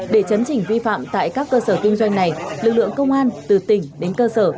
để chấn chỉnh vi phạm tại các cơ sở kinh doanh này lực lượng công an từ tỉnh đến cơ sở